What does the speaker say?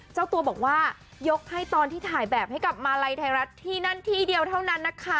เจ้าตัวบอกว่ายกให้ตอนที่ถ่ายแบบให้กับมาลัยไทยรัฐที่นั่นที่เดียวเท่านั้นนะคะ